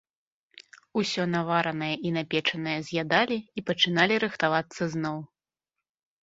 Усё наваранае і напечанае з'ядалі і пачыналі рыхтавацца зноў.